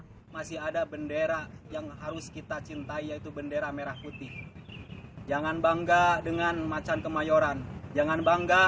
eko menulis keterangan aksinya ini merupakan bantuan dari jack mania yang telah memberinya jersi persija